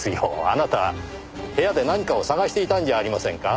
あなたは部屋で何かを探していたんじゃありませんか？